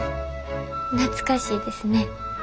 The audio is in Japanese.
懐かしいですね。